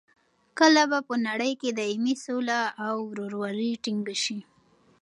کله به په نړۍ کې دایمي سوله او رورولي ټینګه شي؟